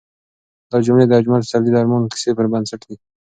دا جملې د اجمل پسرلي د ارمان کیسې پر بنسټ دي.